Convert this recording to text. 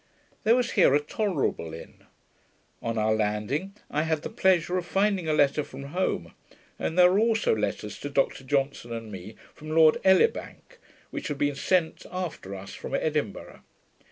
There was here a tolerable inn. On our landing, I had the pleasure of finding a letter from home; and there were also letters to Dr Johnson and me, from Lord Elibank, which had been sent after us from Edinburgh.